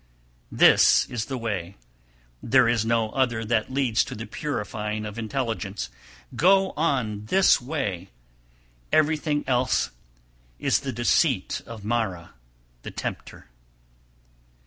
274. This is the way, there is no other that leads to the purifying of intelligence. Go on this way! Everything else is the deceit of Mara (the tempter).